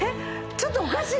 ちょっとおかしい！